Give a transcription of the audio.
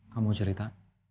kamu mau cerita